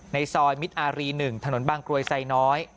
ในซอยมิตอารี๑ถนนบางกรวยไซน้อย